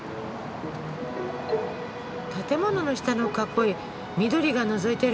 建物の下の囲い緑がのぞいてる。